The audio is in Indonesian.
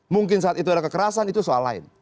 mungkin saat itu ada kekerasan itu soal lain